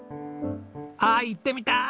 あ行ってみたい！